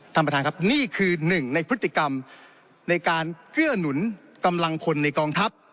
ท่านประธานครับนี่คือหนึ่งในพฤติกรรมในการเกื้อหนุนกำลังคนในกองทัพ